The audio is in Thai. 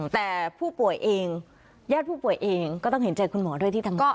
แต่ผู้ป่วยเองญาติผู้ป่วยเองก็ต้องเห็นใจคุณหมอด้วยที่ทำงาน